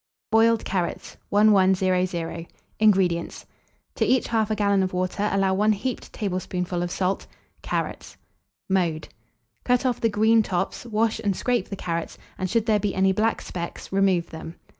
BOILED CARROTS. 1100. INGREDIENTS. To each 1/2 gallon of water, allow 1 heaped tablespoonful of salt; carrots. Mode. Cut off the green tops, wash and scrape the carrots, and should there be any black specks, remove them.